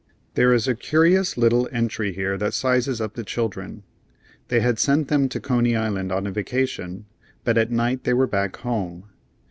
There is a curious little entry here that sizes up the children. They had sent them to Coney Island on a vacation, but at night they were back home.